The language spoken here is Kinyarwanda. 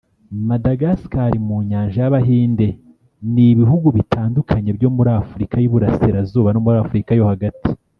Madagascar mu nyanja y’Abahinde n’ibihugu bitandukanye byo muri Afurika y’Iburasirazuba no muri Afurika yo hagati